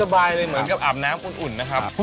มันสบายเลยเหมือนกับอาบน้ำอุ่นอุ่นนะครับครับ